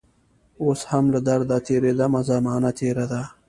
اوس هم له درده تیریدمه زمانه تیره ده